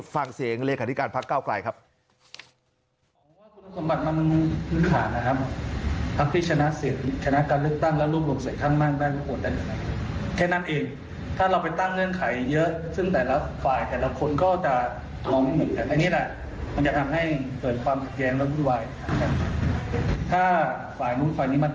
ฟังเสียงเลขาธิการพักเก้าไกลครับ